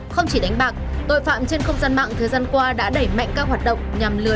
không chỉ đánh bạc tội phạm trên không gian mạng thời gian qua đã đẩy mạnh các hoạt động nhằm lừa